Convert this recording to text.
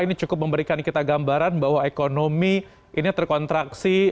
ini cukup memberikan kita gambaran bahwa ekonomi ini terkontraksi